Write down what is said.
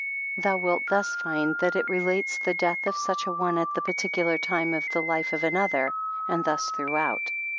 Thou wilt thus find that it relates the death of such a one at the particu lar time of the life of another and thus throughout.